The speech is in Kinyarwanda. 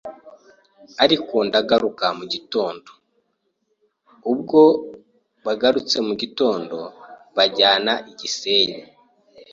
ariko ndagaruka mu gitondo, ubwo bagarutse mugitondo banjyana I gisenyi